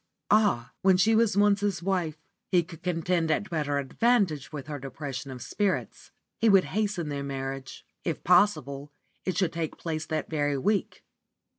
Ah! when she was once his wife, he could contend at better advantage with her depression of spirits, He would hasten their marriage. If possible, it should take place that very week.